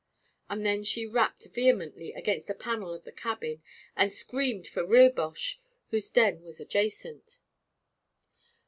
And then she rapped vehemently against the panel of the cabin, and screamed for Rilboche, whose den was adjacent.